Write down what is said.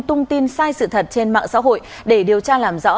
thông tin sai sự thật trên mạng xã hội để điều tra làm rõ